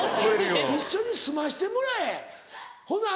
一緒に住ましてもらえほな